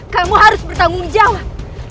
kamu harus bertanggung jawab